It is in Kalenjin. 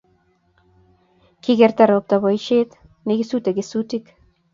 kikerta robta boisiet nekisute kesutik